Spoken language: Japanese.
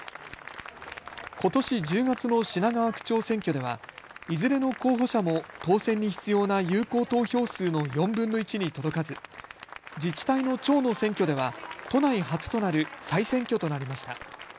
ことし１０月の品川区長選挙ではいずれの候補者も当選に必要な有効投票数の４分の１に届かず自治体の長の選挙では都内初となる再選挙となりました。